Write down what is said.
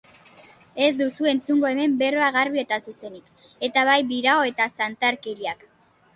Ez duzu entzungo hemen berba garbi eta zuzenik, eta bai birao eta zantarkeriak.